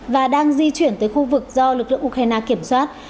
và đang di chuyển tới khu vực do lực lượng ukraine kiểm soát